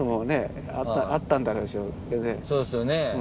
そうっすよね。